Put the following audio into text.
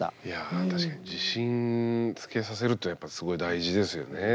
いやあ確かに自信つけさせることやっぱすごい大事ですよね。